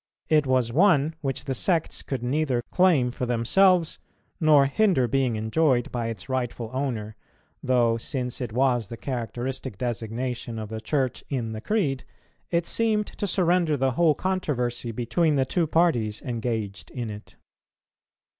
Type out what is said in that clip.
It was one which the sects could neither claim for themselves, nor hinder being enjoyed by its rightful owner, though, since it was the characteristic designation of the Church in the Creed, it seemed to surrender the whole controversy between the two parties engaged in it.